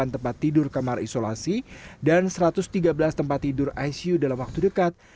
delapan tempat tidur kamar isolasi dan satu ratus tiga belas tempat tidur icu dalam waktu dekat